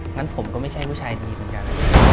งั้นผมก็ไม่ใช่ผู้ชายคนนี้เหมือนกัน